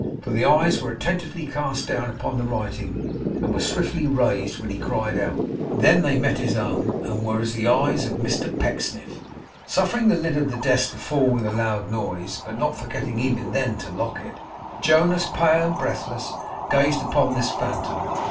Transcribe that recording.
For the eyes were attentively cast down upon the writing, and were swiftly raised when he cried out. Then they met his own, and were as the eyes of Mr Pecksniff. Suffering the lid of the desk to fall with a loud noise, but not forgetting even then to lock it, Jonas, pale and breathless, gazed upon this phantom.